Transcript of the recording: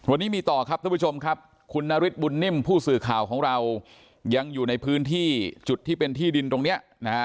วันนี้มีต่อครับท่านผู้ชมครับคุณนฤทธบุญนิ่มผู้สื่อข่าวของเรายังอยู่ในพื้นที่จุดที่เป็นที่ดินตรงนี้นะฮะ